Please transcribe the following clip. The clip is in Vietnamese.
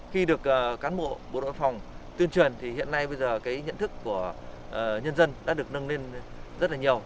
khi được cán bộ bộ đội phòng tuyên truyền thì hiện nay bây giờ cái nhận thức của nhân dân đã được nâng lên rất là nhiều